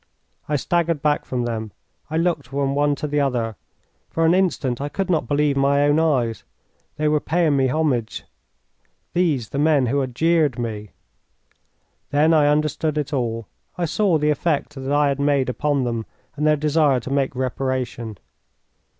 I staggered back from them. I looked from one to the other. For an instant I could not believe my own eyes. They were paying me homage, these, the men who had jeered me! Then I understood it all. I saw the effect that I had made upon them and their desire to make reparation.